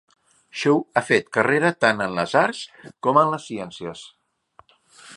Shaw ha fet carrera tant en les arts com en les ciències.